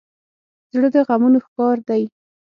زړه د غمونو ښکار دی.